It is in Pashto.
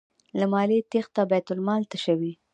له مالیې تیښته بیت المال تشوي.